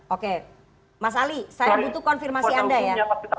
oke mas ali saya butuh konfirmasi anda ya